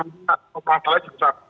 tapi saya merasa susah